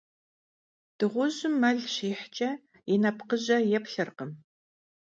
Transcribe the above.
Dığujım mel şihç'e, yi nepkhıje yêplhırkhım.